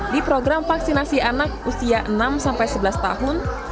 di program vaksinasi anak usia enam sebelas tahun